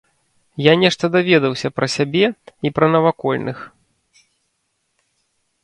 Я нешта даведаўся пра сябе і пра навакольных.